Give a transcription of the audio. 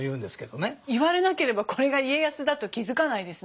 言われなければこれが家康だと気付かないですね。